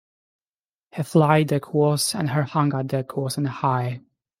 Her flight deck was and her hangar deck was and high.